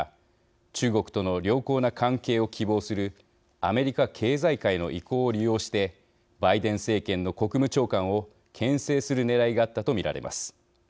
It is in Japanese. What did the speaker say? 中国との良好な関係を希望するアメリカ経済界の意向を利用してバイデン政権の国務長官をけん制するねらいがあったと見られます。